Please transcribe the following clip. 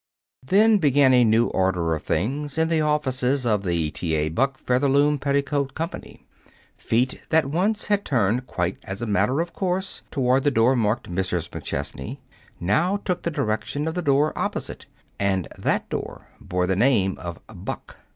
Then began a new order of things in the offices of the T. A. Buck Featherloom Petticoat Company. Feet that once had turned quite as a matter of course toward the door marked "MRS. MCCHESNEY," now took the direction of the door opposite and that door bore the name of Buck.